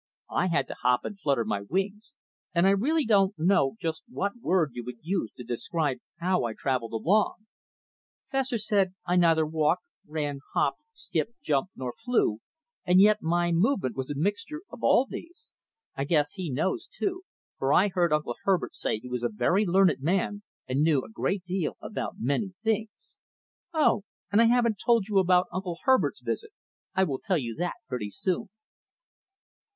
I had to hop and flutter my wings, and I really don't know just what word you would use to describe how I travelled along. Fessor said I neither walked, ran, hopped, skipped, jumped, nor flew, and yet my movement was a mixture of all of these. I guess he knows, too; for I heard Uncle Herbert say he was a very learned man, and knew a great deal about many things. Oh! I haven't told you yet about Uncle Herbert's visit. I will tell you that pretty soon.